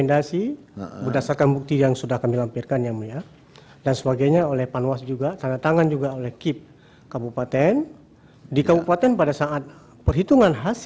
pada tps satu desa pulau tunggol ditambah empat belas suara